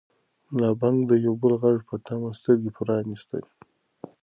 ملا بانګ د یو بل غږ په تمه سترګې پرانیستلې.